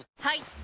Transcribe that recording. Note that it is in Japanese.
はい！